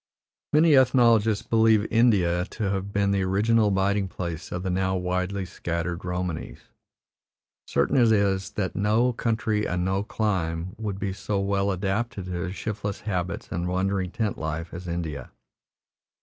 Many ethnologists believe India to have been the original abiding place of the now widely scattered Romanies; certain it is that no country and no clime would be so well adapted to their shiftless habits and wandering tent life as India.